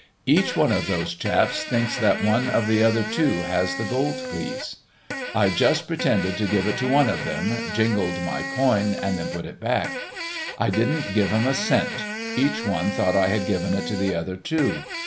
"Each one of those chaps thinks that one of the other two has the gold piece. I just pretended to give it to one of 'em, jingled my coin, and then put it back, I didn't give 'em a cent. Each one thought I had given it to the other two.